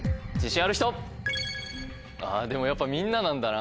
でもやっぱみんななんだな。